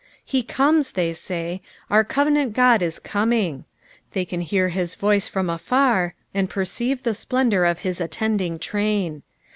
" He comea," they say, "our covenant Ood is coming;" they can hear his voice from afar, and perceive the splendour of his attending train.